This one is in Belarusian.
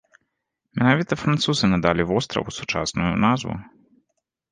Менавіта французы надалі востраву сучасную назву.